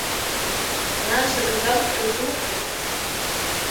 Нас агаӡабызшәа зуҳәои!